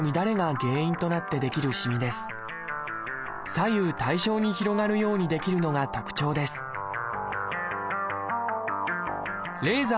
左右対称に広がるように出来るのが特徴です